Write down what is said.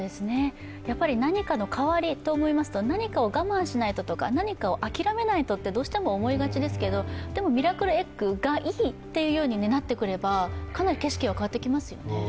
やはり何かの代わりと思いますと、何かを我慢しないととか何かを諦めないととどうしても思いがちですけれども、でも、ミラクルエッグがいいとなってくればかなり景色は変わってきますよね。